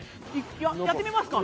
「やってみますか」